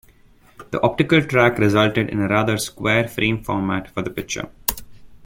The optical track resulted in a rather square frame format for the picture.